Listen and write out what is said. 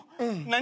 何？